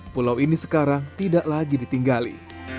pulau ini sekarang tidak lagi ditinggali